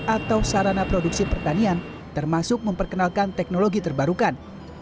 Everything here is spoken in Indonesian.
atau sarana produksi pertanian termasuk memperkenalkan teknologi terbarukan